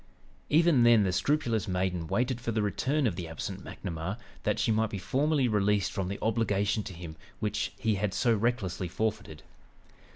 Even then the scrupulous maiden waited for the return of the absent McNamar, that she might be formally released from the obligation to him which he had so recklessly forfeited.